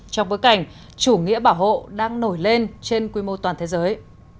trong bối cảnh chủ nghĩa bảo hộ đang nổi lên trên quy mô toàn thế giới